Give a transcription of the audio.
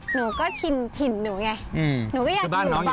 หนูก็ชินถิ่นนูไง